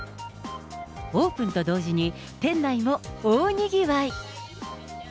オープンと同時に、店内も大にぎわい。